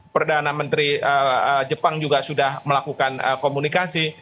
perdana menteri jepang juga sudah melakukan komunikasi